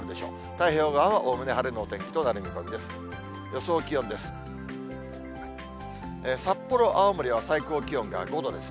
太平洋側はおおむね晴れのお天気となる見込みです。